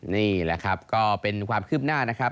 นี่แหละครับก็เป็นความคืบหน้านะครับ